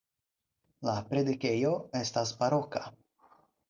La predikejo estas baroka.